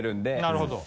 なるほど。